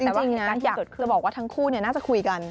แต่ว่าเหตุการณ์ที่เกิดขึ้นเราบอกว่าทั้งคู่น่าจะคุยกัน